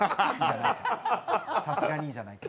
さすがに「い」じゃないか？